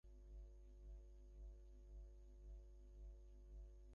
আবার কিছুক্ষণ বাদে সীতারামের হাত ধরিয়া কহিলেন, সীতারাম!